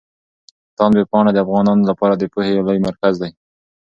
تاند ویبپاڼه د افغانانو لپاره د پوهې يو لوی مرکز دی.